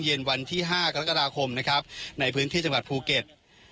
เย็นวันที่๕กรกฎาคมนะครับในพื้นที่จังหวัดภูเก็ต